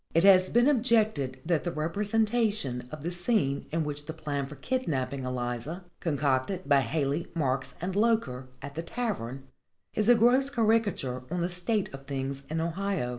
It has been objected that the representation of the scene in which the plan for kidnapping Eliza, concocted by Haley, Marks and Loker, at the tavern, is a gross caricature on the state of things in Ohio.